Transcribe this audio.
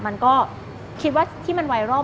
มันก็คิดว่าที่มันไวรัล